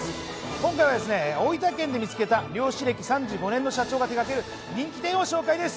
今回は大分県で見つけた漁師歴３５年の社長が手がける人気店を紹介です。